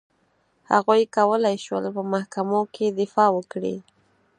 هغوی کولای شول په محکمو کې دفاع وکړي.